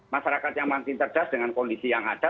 masyarakat yang masih terjas dengan kondisi yang ada